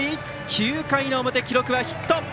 ９回の表、記録はヒット。